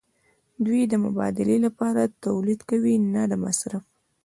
دوی د مبادلې لپاره تولید کوي نه د مصرف.